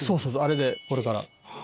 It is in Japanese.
あれでこれから。